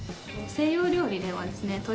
西洋料理ではですね